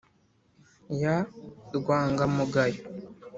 ya r wangamugayo